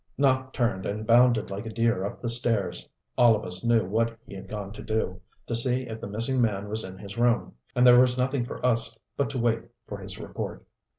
Nopp turned, and bounded like a deer up the stairs. All of us knew what he had gone to do: to see if the missing man was in his room. And there was nothing for us but to wait for his report.